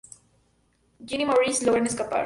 Jean y Maurice logran escapar.